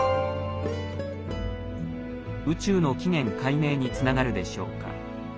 宇宙の起源解明につながるでしょうか。